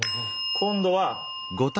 今度は。